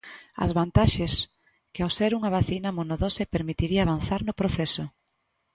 As vantaxes: que ao ser unha vacina monodose permitiría avanzar no proceso.